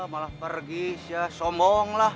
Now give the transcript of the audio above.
malah pergi sombong lah